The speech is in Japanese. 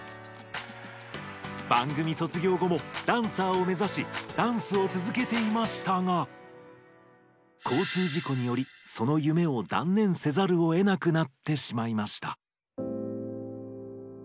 番組卒業後もダンサーを目指しダンスをつづけていましたが交通事故によりその夢を断念せざるをえなくなってしまいました。